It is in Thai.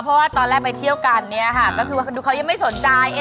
ผมก็ไม่รู้คุณเล่าไม่ชัด